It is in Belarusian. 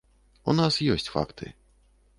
У нас ёсць факты.